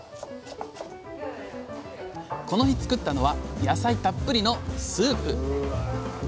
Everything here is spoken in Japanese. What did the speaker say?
この日作ったのは野菜たっぷりのスープ。